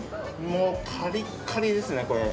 もうカリッカリですね、これ。